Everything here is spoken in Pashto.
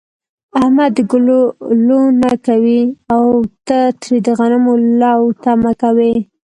احمد د گلو لو نه کوي، او ته ترې د غنمو لو تمه کوې.